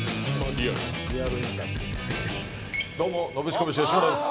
どうもノブシコブシ吉村です。